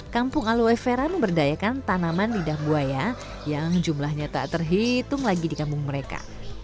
kampung aloe vera memberdayakan tanaman lidah buaya yang jumlahnya tak terhitung lagi di kampung mereka